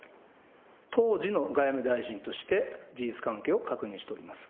当時の外務大臣として、事実関係を確認しております。